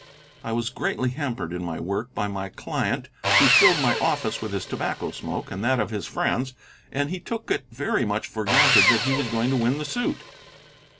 I was greatly hampered in my work by my client, who filled my office with his tobacco smoke and that of his friends, and he took it very much for granted that he was going to win the suit.